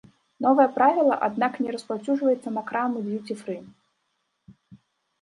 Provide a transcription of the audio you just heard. Новае правіла, аднак, не распаўсюджваецца на крамы д'юці-фры.